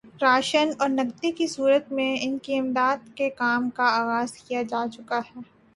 ration اور نقدی کی صورت میں ان کی امداد کے کام کا آغاز کیا جا چکا ہے